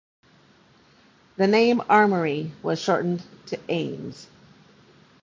The name Amory was shortened to Ames.